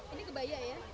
ini kebaya ya